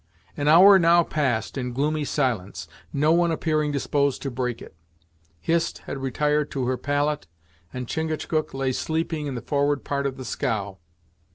An hour now passed in gloomy silence, no one appearing disposed to break it. Hist had retired to her pallet, and Chingachgook lay sleeping in the forward part of the scow.